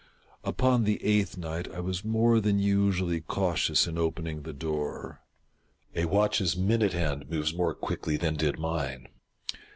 Upon the eighth night I was more than usually cautious in opening the door. A watch's minute hand moves more quickly than did mine.